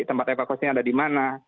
tempat evakuasinya ada di mana